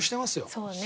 そうね。